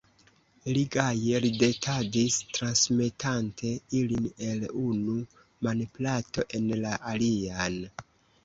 Li gaje ridetadis, transmetante ilin el unu manplato en la alian.